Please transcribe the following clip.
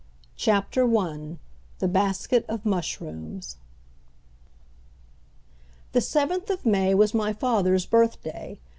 CHAPTER I THE BASKET OF MUSHROOMS The seventh of May was my father's birthday.